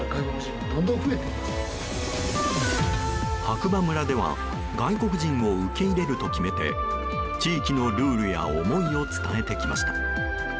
白馬村では外国人を受け入れると決めて地域のルールや思いを伝えてきました。